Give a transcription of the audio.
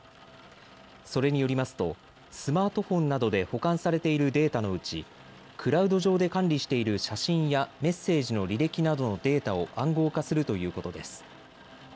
それによりますとスマートフォンなどで保管されているデータのうち、クラウド上で管理している写真やメッセージの履歴などのデータを暗号化するということです。